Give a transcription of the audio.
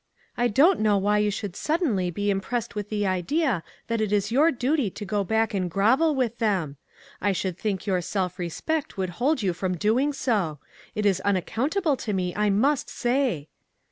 I don't know why you should suddenly be FRUIT FROM THE PICNIC. 159 impressed with the idea that it is your duty to go back and grovel with them. I should think your self respect would hold you from doing so. It is unaccountable to me, 'I must say!"